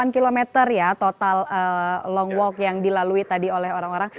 delapan km ya total long walk yang dilalui tadi oleh orang orang